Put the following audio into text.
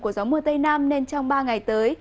của gió mùa tây nam nên trong ba ngày tới